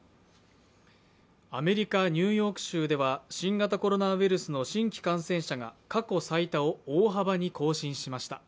アメリカ・ニューヨーク州では新型コロナウイルスの新規感染者が過去最多を大幅に更新しました。